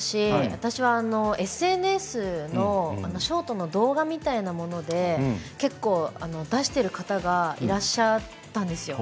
私はＳＮＳのショートの動画みたいなもので結構、出している方がいらっしゃったんですよ。